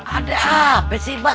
ada apa sih mbak